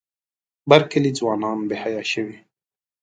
بر کلي ځوانان بې حیا شوي.